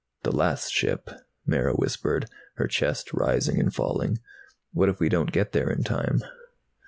"The last ship," Mara whispered, her chest rising and falling. "What if we don't get there in time?"